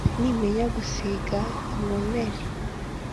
Ntimenya gusiga inkomeri